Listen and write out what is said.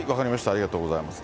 ありがとうございます。